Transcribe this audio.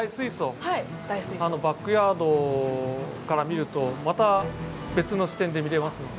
バックヤードから見るとまた別の視点で見れますので。